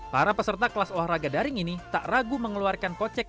para peserta kelas olahraga daring ini tak ragu mengeluarkan kocek